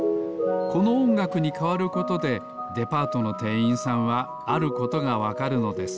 このおんがくにかわることでデパートのてんいんさんはあることがわかるのです。